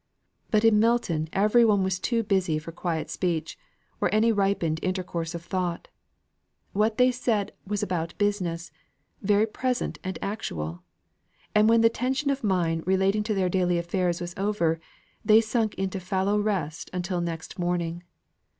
But in Milton every one was too busy for quiet speech, or any ripened intercourse of thought; what they said was about business, very present and actual; and when the tension of mind relating to their daily affairs was over, they sunk into fallow rest until next morning.